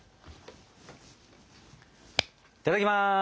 いただきます！